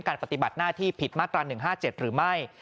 การฝัติบัตรหน้าที่ผิดมากกว่า๑๕๗หรือไม่